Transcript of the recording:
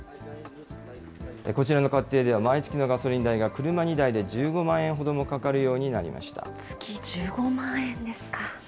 こちらの家庭では、毎月のガソリン代が車２台で１５万円ほどもか月１５万円ですか。